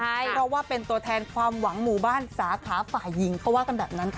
เพราะว่าเป็นตัวแทนความหวังหมู่บ้านสาขาฝ่ายหญิงเขาว่ากันแบบนั้นค่ะ